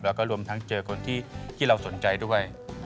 แล้วก็รวมทั้งเจอคนที่เราสนใจด้วย